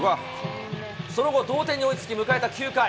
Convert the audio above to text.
その後、同点に追いつき、迎えた９回。